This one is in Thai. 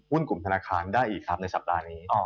กลุ่มธนาคารได้อีกครับในสัปดาห์นี้